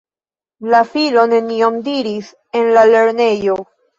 La filo nenion diris en la lernejo.